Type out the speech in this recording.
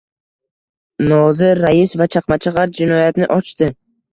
Nozir, rais va chaqmachaqar jinoyatni ochdi.